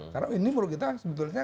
karena ini menurut kita sebetulnya